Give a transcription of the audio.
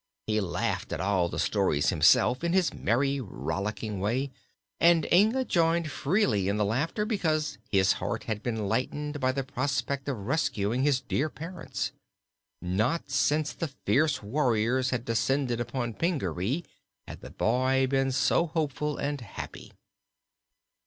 He laughed at all the stories himself, in his merry, rollicking way, and Inga joined freely in the laughter because his heart had been lightened by the prospect of rescuing his dear parents. Not since the fierce warriors had descended upon Pingaree had the boy been so hopeful and happy.